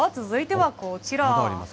続いてはこちら。